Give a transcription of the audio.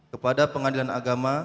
kepada pengadilan agama